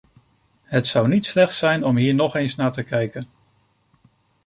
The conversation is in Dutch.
Het zou niet slecht zijn om hier nog eens naar te kijken.